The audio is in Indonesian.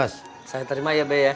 saya terima ya bu ya